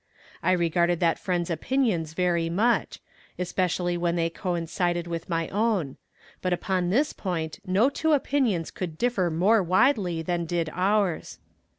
I regarded that friend's opinions very much, especially when they coincided with my own; but upon this point no two opinions could differ more widely than did ours.